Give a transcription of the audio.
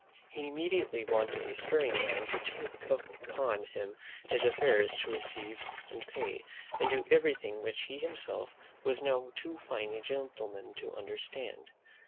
He immediately wanted a stirring man to take upon him his affairs; to receive and pay, and do everything which he himself was now too fine a gentleman to understand.